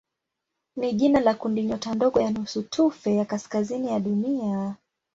ni jina la kundinyota ndogo ya nusutufe ya kaskazini ya Dunia.